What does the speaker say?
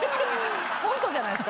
コントじゃないっすか。